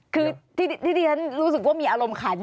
คือที่ที่ฉันรู้สึกว่ามีอารมณ์ขาด